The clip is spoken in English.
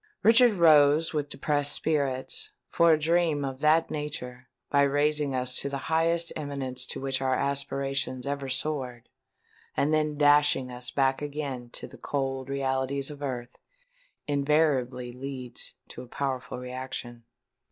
Richard rose with depressed spirits; for a dream of that nature—by raising us to the highest eminence to which our aspirations ever soared, and then dashing us back again to the cold realities of earth—invariably leads to a powerful reaction.